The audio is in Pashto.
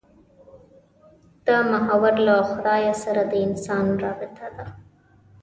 دا محور له خدای سره د انسان رابطه ده.